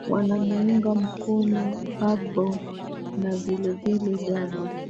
wanamuunga mkono bagbo na vile vile ghana